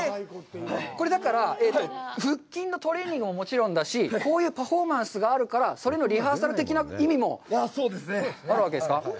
これ、だから、腹筋のトレーニングももちろんだし、こういうパフォーマンスがあるから、それのリハーサル的な意味もあるわけですか。